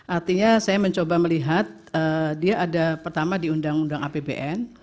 artinya saya mencoba melihat dia ada pertama di undang undang apbn